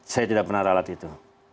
saya tidak pernah ralat itu